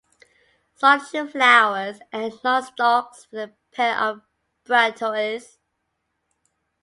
Solitary flowers end long stalks with a pair of bracteoles.